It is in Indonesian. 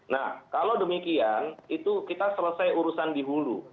nah kalau demikian itu kita selesai urusan dihulu